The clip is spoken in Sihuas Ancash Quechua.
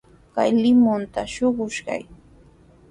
Kay limunta shuqushaq.